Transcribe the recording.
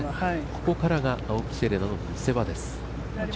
ここからが青木瀬令奈の見せ場です。